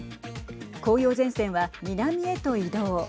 紅葉前線は南へと移動。